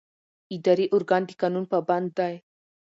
اداري ارګان د قانون پابند دی.